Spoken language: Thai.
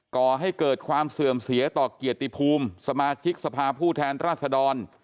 ก่อให้เกิดความเสื่อมเสียต่อเกียรติภูมิสมาชิกสภาผู้แทนราษดร